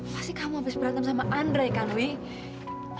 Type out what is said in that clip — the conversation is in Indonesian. pasti kamu habis berantem sama andre kan wih